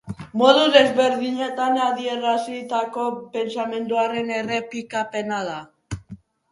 Modu desberdinetan adierazitako pentsamenduaren errepikapena da.